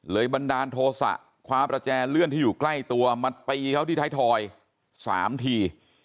บันดาลโทษะคว้าประแจเลื่อนที่อยู่ใกล้ตัวมาตีเขาที่ไทยทอย๓ที